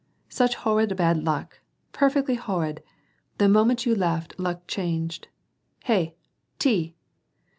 " Such howid bad luck ! PefFectly howid ! The moment you left, luck changed. Hey ! Tea